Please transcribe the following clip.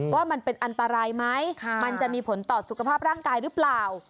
ว่ามันเป็นอันตรายไหมมันจะมีผลต่อสุขภาพร่างกายหรือเปล่า